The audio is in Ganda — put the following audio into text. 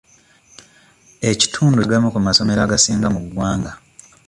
Ekitundu kirina agamu ku masomero agasinga mu ggwanga.